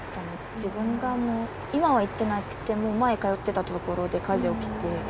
自分が、今は行ってなくても、前通っていたところで火事起きて、え？